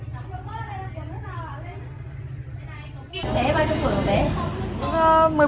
bé bao nhiêu tuổi một bé